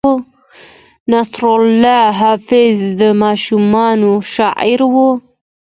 نصرالله حافظ د ماشومانو شاعر و.